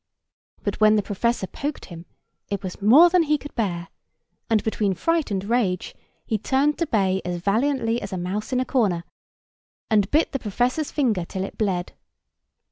But, when the professor poked him, it was more than he could bear; and, between fright and rage, he turned to bay as valiantly as a mouse in a corner, and bit the professor's finger till it bled.